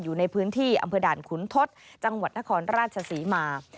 อยู่ในพื้นที่อำเภอด่านขุนทศจังหวัดนครราชศรีมา